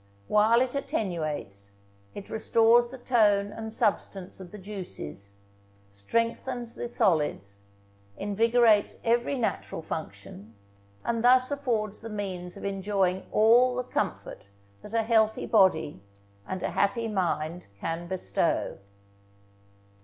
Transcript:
While it attenuates, it restores the tone and substance of the juices, strengthens the solids, invigorates every natural function, and thus affords the means of enjoying all the comfort that a healthy body and a happy mind can bestow.